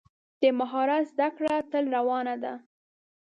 د مهارت زده کړه تل روانه ده.